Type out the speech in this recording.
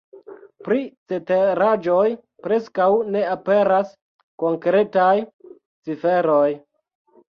Pri ceteraĵoj preskaŭ ne aperas konkretaj ciferoj.